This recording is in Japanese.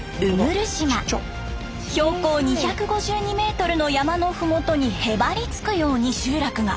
標高２５２メートルの山の麓にへばりつくように集落が。